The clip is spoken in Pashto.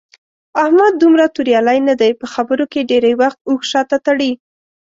احمد دومره توریالی نه دی. په خبرو کې ډېری وخت اوښ شاته تړي.